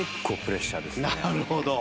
なるほど。